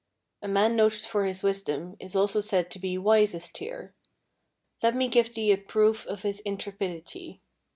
A man noted for his wisdom is also said to be 'wise as Tyr.' Let me give thee a proof of his intrepidity.